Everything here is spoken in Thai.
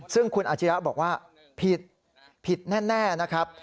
ซึ่งคุณอาชียะบอกว่าผิดผิดแน่นะครับ